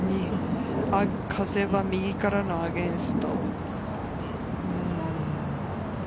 風は右からのアゲンスト。